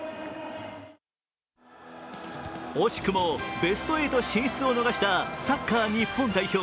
惜しくもベスト８進出を逃したサッカー日本代表。